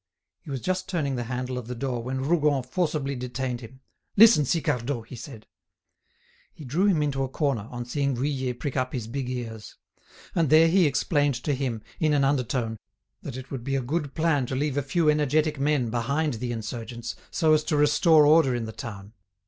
He was just turning the handle of the door, when Rougon forcibly detained him. "Listen, Sicardot," he said. He drew him into a corner, on seeing Vuillet prick up his big ears. And there he explained to him, in an undertone, that it would be a good plan to leave a few energetic men behind the insurgents, so as to restore order in the town.